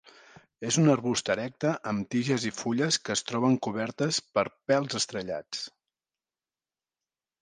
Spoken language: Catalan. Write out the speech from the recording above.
És un arbust erecte amb tiges i fulles que es troben cobertes per pèls estrellats.